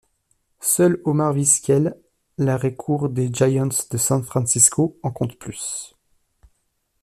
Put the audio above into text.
Seul Omar Vizquel, l'arrêt-court des Giants de San Francisco en compte plus.